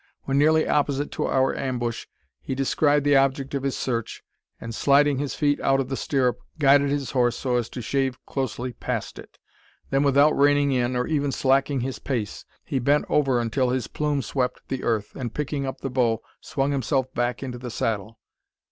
When nearly opposite to our ambush, he descried the object of his search, and sliding his feet out of the stirrup, guided his horse so as to shave closely past it. Then, without reining in, or even slacking his pace, he bent over until his plume swept the earth, and picking up the bow, swung himself back into the saddle.